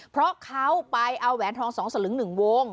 เพราะเขาไปเอาแหวนทองสองสลึงหนึ่งวง